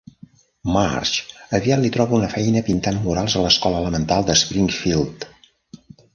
Marge aviat li troba una feina pintant murals a l'escola elemental de Springfield.